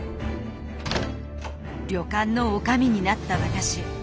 旅館のおかみになった私。